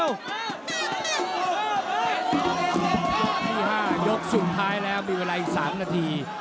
ยกที่๕ยกสุดท้ายแล้วมีเวลาอีก๓นาที